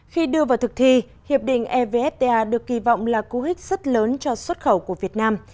khi đưa vào thực thi hiệp định evfta được kỳ vọng là cú hích rất lớn cho xuất khẩu của việt nam